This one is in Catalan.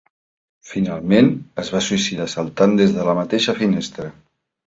Finalment, es va suïcidar saltant des de la mateixa finestra.